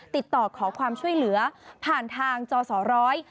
ติดต่อขอความช่วยเหลือผ่านทางจอสอร้อย